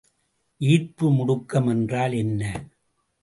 ஈர்ப்பு முடுக்கம் என்றால் என்ன?